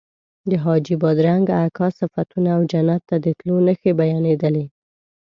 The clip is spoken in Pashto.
د حاجي بادرنګ اکا صفتونه او جنت ته د تلو نښې بیانېدلې.